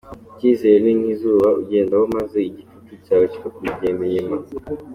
Icyizere ni nk’izuba, ugendaho maze igicucucucu cyawe cyikakugenda inyuma.